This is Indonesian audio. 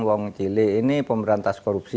wong cili ini pemberantas korupsi